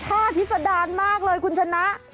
โอ้ถ้าที่สะดานมากเลยคุณชนะ